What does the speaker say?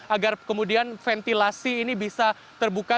agar kemudian ventilasi ini bisa terbuka